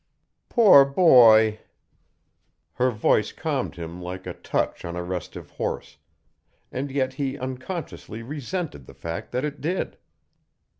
"Poor boy!" Her voice calmed him like a touch on a restive horse, and yet he unconsciously resented the fact that it did.